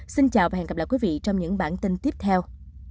xin chào và hẹn gặp lại quý vị trong những bản tin tiếp theo